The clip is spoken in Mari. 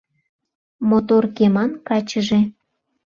Мотор кеман качыже